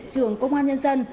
trường công an nhân dân